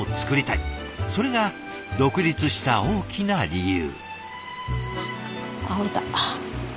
それが独立した大きな理由。